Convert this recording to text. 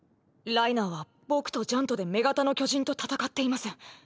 ライナーは僕とジャンとで女型の巨人と戦っています。